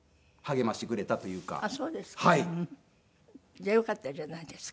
じゃあよかったじゃないですか。